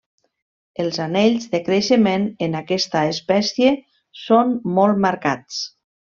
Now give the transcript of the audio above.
Els anells de creixements en aquesta espècie són molt marcats.